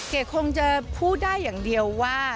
คงจะพูดได้อย่างเดียวว่า